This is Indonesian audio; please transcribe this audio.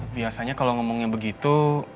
biasanya kalau ngomongnya begitu